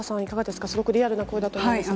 すごくリアルな声だと思うんですが。